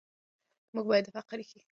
موږ باید د فقر ریښې وباسو.